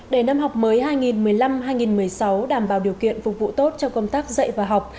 để năm học mới hai nghìn một mươi năm hai nghìn một mươi sáu đảm bảo điều kiện phục vụ tốt cho công tác dạy và học